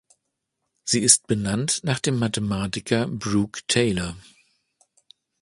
Sie ist benannt nach dem Mathematiker Brook Taylor.